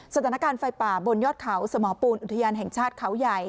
สถานการณ์ไฟป่าบนยอดเขาสมปูนอุทยานแห่งชาติเขาใหญ่